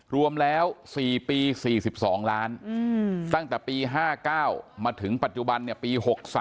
รวมแล้ว๔ปี๔๒ล้านตั้งแต่ปี๕๙มาถึงปัจจุบันปี๖๓